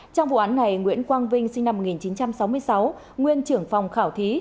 trong vụ án này nguyễn quang vinh sinh năm một nghìn chín trăm sáu mươi sáu nguyên trưởng phòng khảo thí